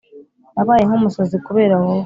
nabaye nk’umusazi kubera wowe